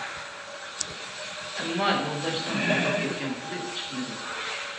ئەمما يولداشنىڭ يوقاپ كەتكەن پۇلى چىقمىدى.